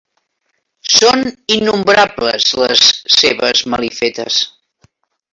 Són innombrables, les seves malifetes!